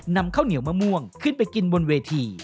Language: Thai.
ข้าวเหนียวมะม่วงขึ้นไปกินบนเวที